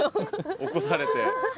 起こされて。